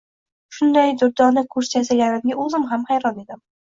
Shunday durdona kursi yasaganimga o`zim ham hayron edim